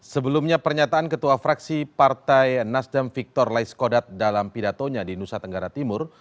sebelumnya pernyataan ketua fraksi partai nasdem victor laiskodat dalam pidatonya di nusa tenggara timur